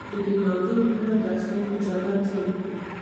د دې موضوع په اړه د استازو چلند څه و؟